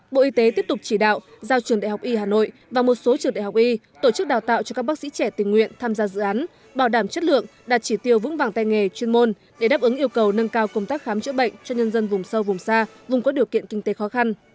bộ y tế tiếp tục chỉ đạo giao trường đại học y hà nội và một số trường đại học y tổ chức đào tạo cho các bác sĩ trẻ tình nguyện tham gia dự án bảo đảm chất lượng đạt chỉ tiêu vững vàng tay nghề chuyên môn để đáp ứng yêu cầu nâng cao công tác khám chữa bệnh cho nhân dân vùng sâu vùng xa vùng có điều kiện kinh tế khó khăn